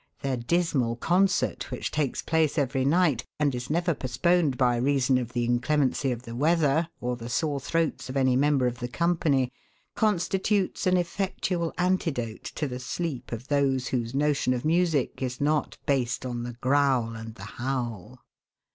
Their dismal concert, which takes place every night, and is never postponed by reason of the inclemency of the weather or the sore throats of any mem bers of the company, constitutes an effectual antidote to the sleep of those whose notion of music is not based on the growl and the howl."